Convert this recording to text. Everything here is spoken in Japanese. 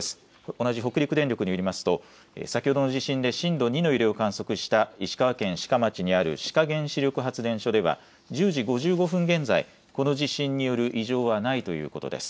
同じ北陸電力によりますと先ほどの地震で震度２の揺れを観測した石川県志賀町にある志賀原子力発電所では１０時５５分現在、この地震による異常はないということです。